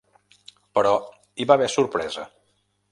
Però hi va haver sorpresa.